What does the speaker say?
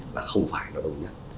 là không phải nó đồng nhất